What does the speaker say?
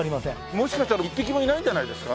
もしかしたら一匹もいないんじゃないですか？